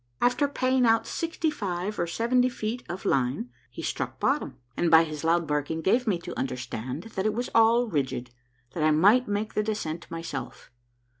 After paying out sixty five or seventy feet of the line, he struck bottom, and by his loud barking gave me to understand that it was all rigid, that I might make the descent myself.